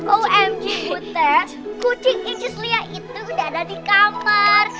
omg butet kucing incis lia itu udah ada di kamar